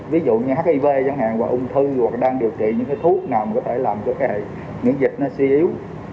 ví dụ như hiv chẳng hạn hoặc ung thư hoặc đang điều trị những cái thuốc nào có thể làm cho cái miễn dịch nó suy yếu